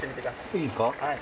いいですか？